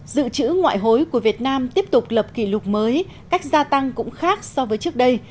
dự trữ ngoại hối của việt nam tiếp tục lập kỷ lục mới cách gia tăng cũng khác so với trước đây